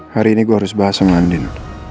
hari ini gue harus bahas sama andin